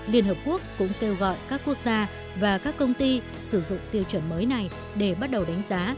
liên hợp quốc cũng kêu gọi các quốc gia và các công ty sử dụng tiêu chuẩn mới này để bắt đầu đánh giá